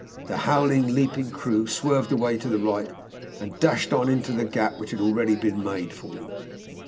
The howling, leaping crew swerved away to the right, and dashed on into the gap which had already been made for them.